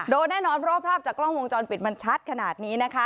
แน่นอนเพราะว่าภาพจากกล้องวงจรปิดมันชัดขนาดนี้นะคะ